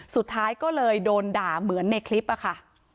สุดท้ายก็เลยโดนด่าเหมือนในคลิปอะค่ะ